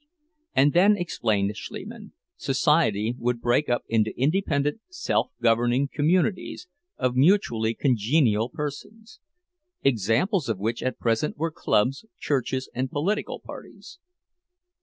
And then, explained Schliemann, society would break up into independent, self governing communities of mutually congenial persons; examples of which at present were clubs, churches, and political parties.